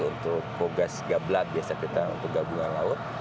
untuk kogas gablat biasa kita untuk gabungan laut